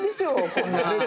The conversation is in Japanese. こんな。